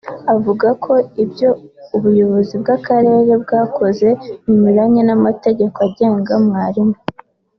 avuga ko ibyo ubuyobozi bw’Akarere bwakoze binyuranye n’amategeko agenga mwarimu